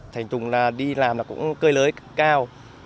thành tùng đi làm là cơ lới cao